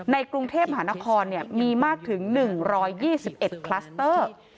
กรุงเทพมหานครมีมากถึง๑๒๑คลัสเตอร์